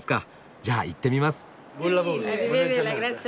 じゃあ行ってみます。